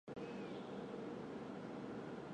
曾大量装备中国人民解放军部队。